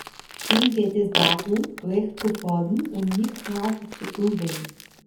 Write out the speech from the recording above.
Ihm geht es darum, Recht zu fordern, und nicht Rache zu üben.